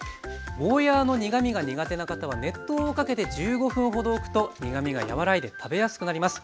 ゴーヤーの苦みが苦手な方は熱湯をかけて１５分ほどおくと苦みが和らいで食べやすくなります。